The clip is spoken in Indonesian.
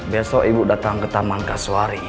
besok ibu datang ke taman kasuari